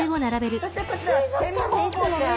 そしてこちらはセミホウボウちゃん。